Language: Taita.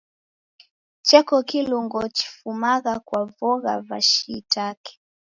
Cheko kilungo chifumagha kwa vogha va shiitake.